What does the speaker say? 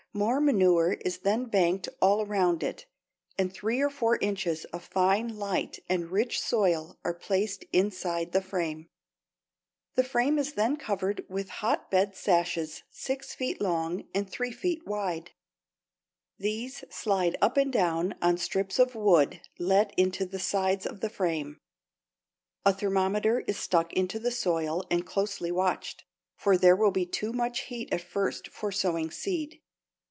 More manure is then banked all around it, and three or four inches of fine light and rich soil are placed inside the frame. [Illustration: FIG. 84. THE GLADIOLUS] The frame is then covered with hotbed sashes six feet long and three feet wide. These slide up and down on strips of wood let into the sides of the frame. A thermometer is stuck into the soil and closely watched, for there will be too much heat at first for sowing seed.